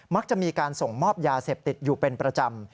มักจะมีการส่งมอบยาเสพติดอยู่เป็นประจำ